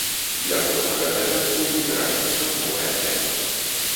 Для кожнага занятку выбіраецца новая тэма.